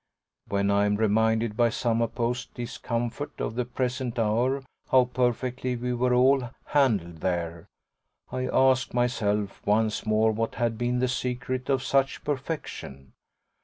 When I'm reminded by some opposed discomfort of the present hour how perfectly we were all handled there, I ask myself once more what had been the secret of such perfection.